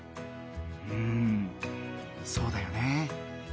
うんそうだよね。